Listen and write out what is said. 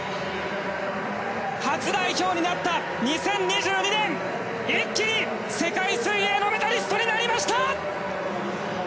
初代表になった２０２２年一気に世界水泳のメダリストになりました！